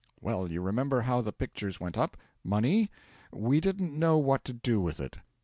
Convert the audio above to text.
Well, you remember how the pictures went up. Money? We didn't know what to do with it.